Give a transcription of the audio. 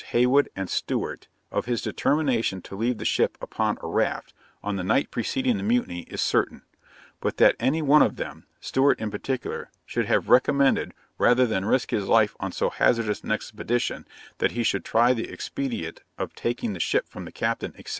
Hayward and Stewart, of his determination to leave the ship upon a raft, on the night preceding the mutiny, is certain; but that any one of them (Stewart in particular) should have "recommended, rather than risk his life on so hazardous an expedition, that he should try the expedient of taking the ship from the captain, etc.